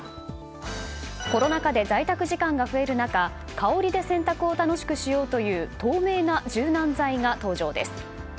コロナ禍で在宅時間が増える中香りで洗濯を楽しくしようとする透明な柔軟剤が登場です。